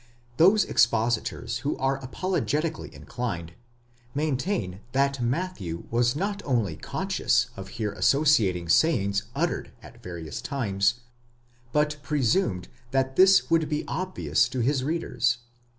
* Those expositors who are apologetically inclined, maintain that Matthew was not only conscious of here associating sayings uttered at various times, but presumed that this would be obvious to his readers.